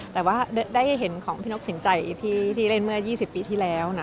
แต่ว่าได้เห็นของพี่นกสินใจที่เล่นเมื่อ๒๐ปีที่แล้วนะ